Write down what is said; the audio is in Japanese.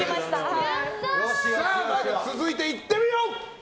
続いていってみよう！